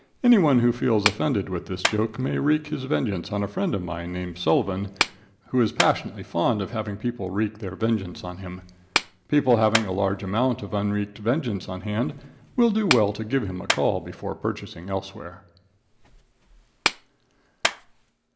Anyone who feels offended with this joke may wreak his vengeance on a friend of mine named Sullivan, who is passionately fond of having people wreak their vengeance on him. People having a large amount of unwreaked vengeance on hand will do well to give him a call before purchasing elsewhere.